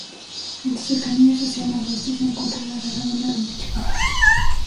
En sus cercanías, hacia el noroeste, se encuentra la gran laguna de Mar Chiquita.